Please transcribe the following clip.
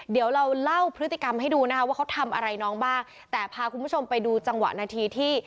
เดี๋ยวเราเล่าพฤติกรรมให้ดูนะคะว่าเขาทำอะไรน้องบ้างแต่พาคุณผู้ชมไปดูจังหวะนาทีที่